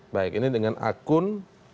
baik ini dengan akun